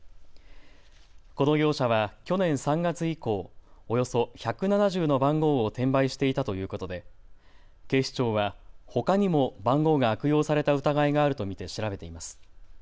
この業者は去年３月以降、およそ１７０の番号を転売していたということで警視庁は、ほかにも番号が悪用された疑いがあると見て調べています。